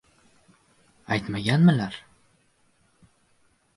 — Aytmaganmilar?